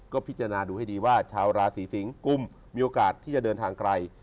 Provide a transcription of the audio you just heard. ก็พิจารณาดูให้ดีว่าชาวราศีสิงกุมมีโอกาสที่จะเดินทางไกล